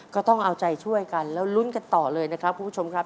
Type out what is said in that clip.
ก็ต้องเอาใจช่วยกันแล้วลุ้นกันต่อเลยนะครับคุณผู้ชมครับ